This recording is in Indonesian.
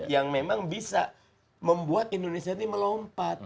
yang memang bisa membuat indonesia ini melompat